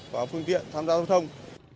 và phương tiện tham gia giao thông